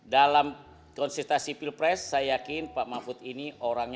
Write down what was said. dalam konsultasi pilpres saya yakin pak mahfud ini orangnya